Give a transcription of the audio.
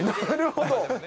なるほど。